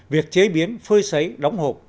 việc chế biến phơi sấy đóng hộp